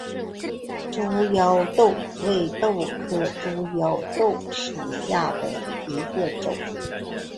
猪腰豆为豆科猪腰豆属下的一个种。